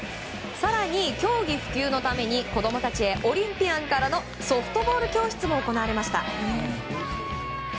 更に競技普及のために子供たちにオリンピアンからのソフトボール教室も行われました。